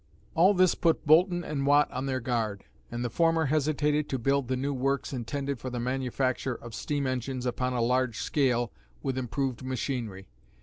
All this put Boulton and Watt on their guard, and the former hesitated to build the new works intended for the manufacture of steam engines upon a large scale with improved machinery.